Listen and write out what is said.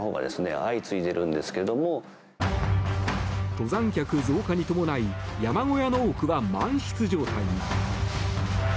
登山客増加に伴い山小屋の多くは満室状態に。